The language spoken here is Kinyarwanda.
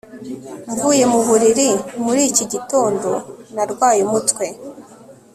Mvuye mu buriri muri iki gitondo narwaye umutwe